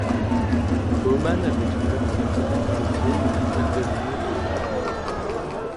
Baumann avait ouvert un atelier dans le vieil hôpital d’animaux de Berne.